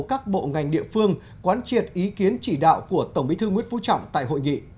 các bộ ngành địa phương quán triệt ý kiến chỉ đạo của tổng bí thư nguyễn phú trọng tại hội nghị